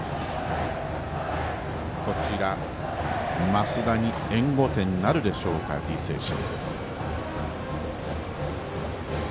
増田に援護点なるでしょうか履正社。